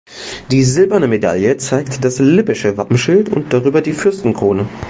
Die silberne Medaille zeigt das lippische Wappenschild und darüber die Fürstenkrone.